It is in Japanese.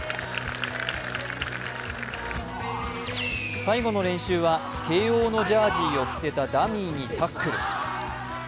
最後の練習は慶應のジャージを着せたダミーをタックル。